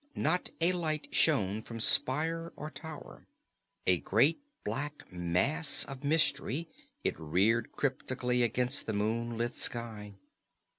Not a light shone from spire or tower. A great black mass of mystery, it reared cryptically against the moonlit sky.